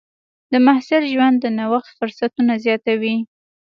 د محصل ژوند د نوښت فرصتونه زیاتوي.